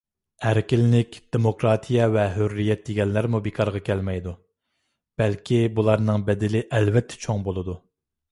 ئەركىنلىك، دېموكراتىيە ۋە ھۆرىيەت دېگەنلەرمۇ بىكارغا كەلمەيدۇ. بەلكى بۇلارنىڭ بەدىلى ئەلۋەتتە چوڭ بولىدۇ.